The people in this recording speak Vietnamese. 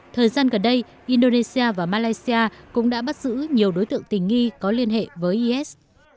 thời gian gần đây indonesia và malaysia cũng đã bắt giữ nhiều đối tượng tình nghi có liên hệ với is